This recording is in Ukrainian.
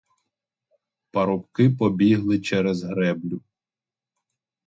Парубки побігли через греблю.